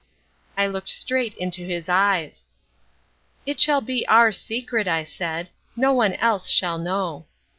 I looked straight into his eyes. "It shall be our secret," I said; "no one else shall know."